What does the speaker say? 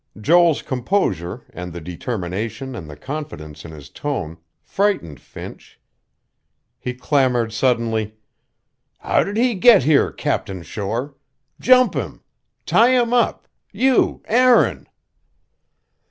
Joel's composure, and the determination and the confidence in his tone, frightened Finch. He clamored suddenly: "How did he get here, Captain Shore? Jump him. Tie him up you Aaron...."